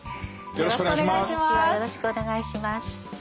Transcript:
よろしくお願いします。